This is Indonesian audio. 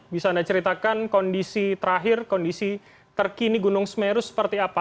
bisa anda ceritakan kondisi terakhir kondisi terkini gunung semeru seperti apa